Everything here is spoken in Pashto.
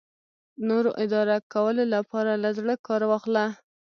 د نورو اداره کولو لپاره له زړه کار واخله.